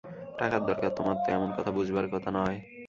টাকার দরকার তোমার তো এমন করে বুঝবার কথা নয়!